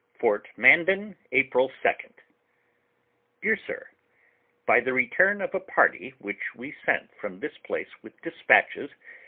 Fort Mandan, April 2d, "Dear Sir, "By t.h? return of a party which w'e sent from this place with despatches.